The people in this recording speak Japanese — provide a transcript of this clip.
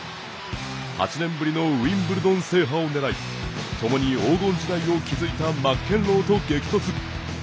８年ぶりのウィンブルドン制覇をねらい共に黄金時代を築いたマッケンローと激突。